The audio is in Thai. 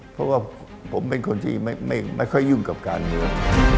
เพราะว่าผมเป็นคนที่ไม่ค่อยยุ่งกับการเมือง